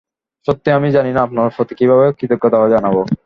সত্যিই আমি জানি না আপনার প্রতি কীভাবে কৃতজ্ঞতা জানাবো।